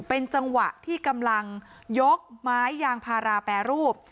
เป็นจังหวะที่กำลังยกไม้ยางพาราแปรรูป